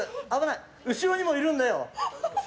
後ろにもいるんだよ！